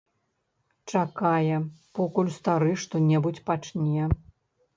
Чакае, покуль стары што-небудзь пачне.